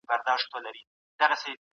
ایا تکړه پلورونکي وچ زردالو اخلي؟